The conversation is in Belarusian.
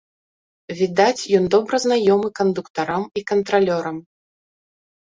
Відаць, ён добра знаёмы кандуктарам і кантралёрам.